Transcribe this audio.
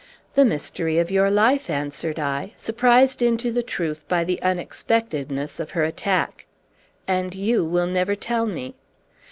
"The mystery of your life," answered I, surprised into the truth by the unexpectedness of her attack. "And you will never tell me."